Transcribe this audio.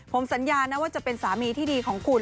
ผมสัญญานะว่าจะเป็นสามีที่ดีของคุณ